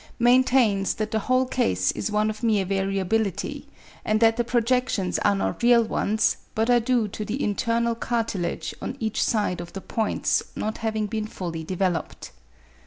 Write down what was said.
maintains that the whole case is one of mere variability; and that the projections are not real ones, but are due to the internal cartilage on each side of the points not having been fully developed.